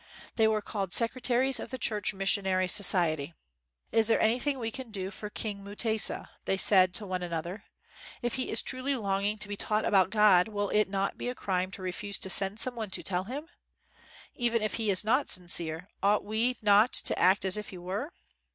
They were called secretaries of the Church Missionary So ciety. "Is there anything we can do for King Mutesa, '' they said to one another ?" If he is truly longing to be taught about God, will it not be a crime to refuse to send some one to tell him 1 Even if he is not sincere, ought we not to act as if he were?